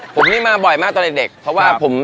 ผมนี่มาบ่อยมากตอนเด็กเพราะว่าผม